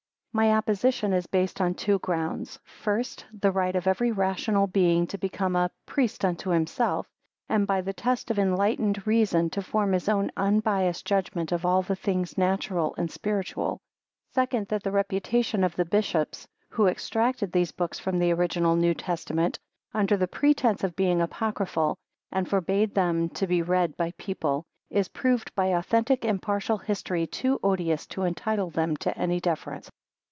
My opposition is based on two grounds; first, the right of every rational being to become a "Priest unto himself," and by the test of enlightened reason, to form his own unbiased judgment of all things natural and spiritual: second, that the reputation of the Bishops who extracted these books from the original New Testament, under the pretence of being Apocryphal, and forbade them to be read by the people, is proved by authentic impartial history too odious to entitle them to any deference.